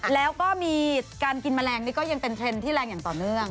แล้วก็มีการกินแมลงนี่ก็ยังเป็นเทรนด์ที่แรงอย่างต่อเนื่อง